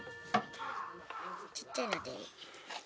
ちっちゃいのでいい。